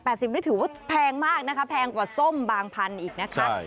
นี่ถือว่าแพงมากนะคะแพงกว่าส้มบางพันธุ์อีกนะคะ